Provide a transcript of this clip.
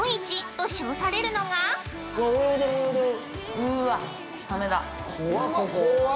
◆うわっ！